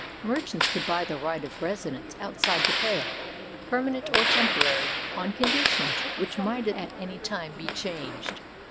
Merchants could buy the right of residence outside the Pale, permanent or temporary, on condi tions which might at any time be changed.